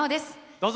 どうぞ。